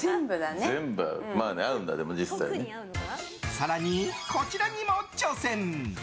更に、こちらにも挑戦。